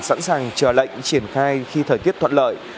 sẵn sàng chờ lệnh triển khai khi thời tiết thuận lợi